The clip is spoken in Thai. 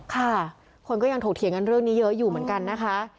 ค่ะคนก็ยังถกเถียงกันเรื่องนี้เยอะอยู่เหมือนกันนะคะ